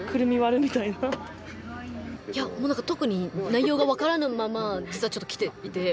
いや、特に内容が分からないまま実はちょっと来ていて。